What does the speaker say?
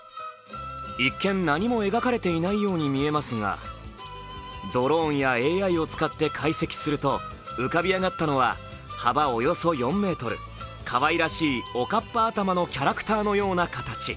一見、何も描かれていないように見えますがドローンやＡＩを使って解析すると浮かび上がったのは幅およそ４ｍ、かわいらしいおかっぱ頭のキャラクターのような形。